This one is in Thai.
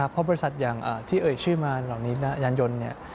เพราะบริษัทที่เอ่ยชื่อมาเหล่านี้ยานยนต์